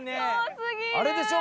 あれでしょ？